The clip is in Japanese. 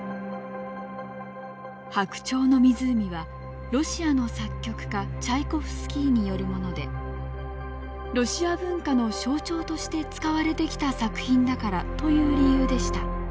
「白鳥の湖」はロシアの作曲家チャイコフスキーによるもので「ロシア文化の象徴として使われてきた作品だから」という理由でした。